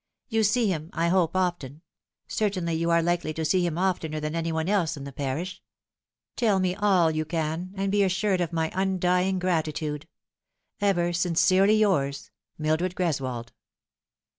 You see him, I hope, often ; certainly you are likely to see him oftener than any one else in the parish. Tell me all you can, and be assured of my undying gratitude. Ever sincerely yours, MILDRED GEKSWOLD." Mr.